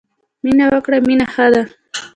مینه وکړی مینه ښه ده.